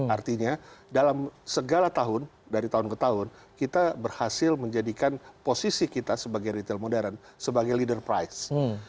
artinya dalam segala tahun dari tahun ke tahun kita berhasil menjadikan posisi kita sebagai retail modern sebagai leader price